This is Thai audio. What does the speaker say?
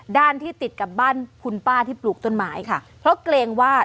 ด้านที่ติดกับบ้านคุณป้าที่ปลูกต้นไม้ค่ะเพราะเกรงว่า